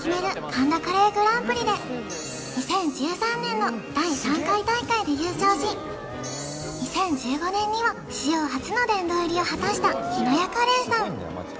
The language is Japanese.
神田カレーグランプリで２０１３年の第３回大会で優勝し２０１５年には史上初の殿堂入りを果たした日乃屋カレーさん